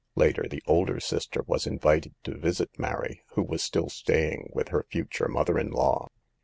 Later the older sister was invited to visit Mary, who was still staying with her future mother in law.